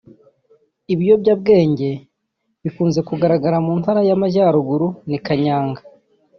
Ibiyobyabwenge bikunze kugaragara mu Ntara y’Amajyaruguru ni kanyanga